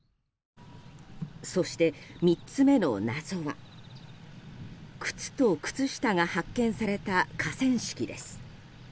そして３つ目の謎は靴と靴下が発見された河川敷です。